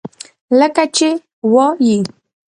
لکه چې وائي ۔